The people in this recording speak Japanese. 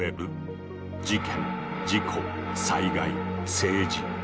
事件事故災害政治。